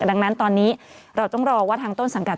ดังนั้นตอนนี้เราต้องรอว่าทางต้นสังกัด